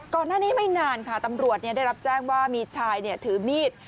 ก่อนหน้านี้ไม่นานค่ะตำรวจได้รับแจ้งว่ามีชายถือมีด